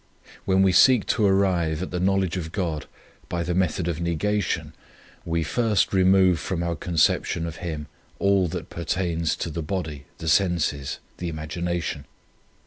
When we seek to arrive at the knowledge of God by the method of negation, we first remove from our conception of Him all that pertains to the body, the senses, the imagination.